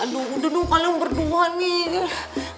aduh udah dong kalian berdua nih